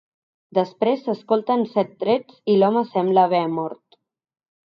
Després s’escolten set trets i l’home sembla haver mort.